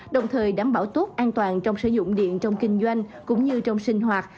đồng thời đảm bảo tốt an toàn trong sử dụng điện trong kinh doanh cũng như trong sinh hoạt